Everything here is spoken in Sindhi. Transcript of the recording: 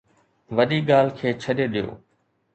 وڏي ڳالهه کي ڇڏي ڏيو